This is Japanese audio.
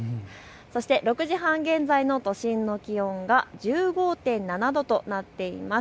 そして６時半現在の都心の気温が１５．７度となっています。